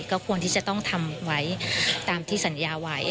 ก็ควรที่จะต้องทำไว้ตามที่สัญญาไว้